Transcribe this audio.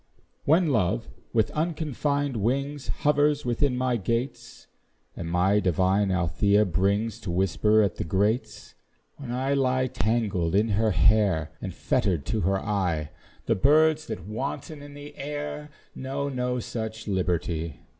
When love, with unconfined wings, Hovers within my gates, And my divine Althea brings To whisper at the grates; When I lie tangled in her hair, And fetter'd to her eye The birds that wanton in the air, Know no such liberty.